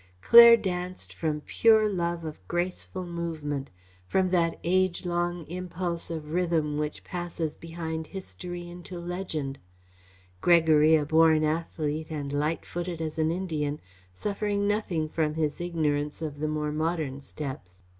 Claire danced from pure love of graceful movement, from that age long impulse of rhythm which passes behind history into legend; Gregory, a born athlete and light footed as an Indian, suffering nothing from his ignorance of the more modern steps.